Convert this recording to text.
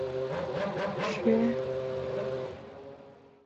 大多数的赛隆科技发展在生物工程学和合成生物学而非机器人工学上。